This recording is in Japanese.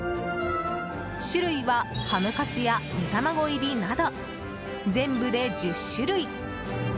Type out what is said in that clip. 種類はハムカツや煮卵入りなど全部で１０種類。